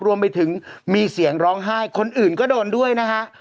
รวมไปถึงมีเสียงร้องไห้คนอื่นก็โดนด้วยนะฮะ